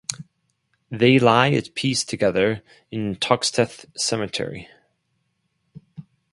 They lie at peace together in Toxteth Cemetery.